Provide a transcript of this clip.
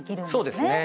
そうですね。